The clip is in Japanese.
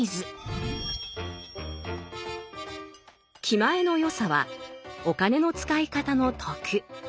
「気前の良さ」はお金の使い方の徳。